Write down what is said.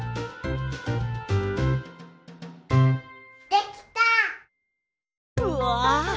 できた！わ！